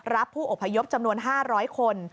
รับผู้อพยพจำนวน๕๐๐คน